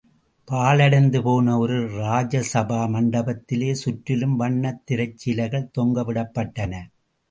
பாழடைந்து போன ஒரு ராஜசபா மண்டபத்திலே சுற்றிலும் வண்ணத் திரைச்சீலைகள் தொங்கவிடப்பட்டன.